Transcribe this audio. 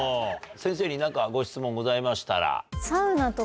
先生に何かご質問ございましたら。